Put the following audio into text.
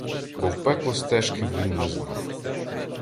Бо в пекло стежки він не знав.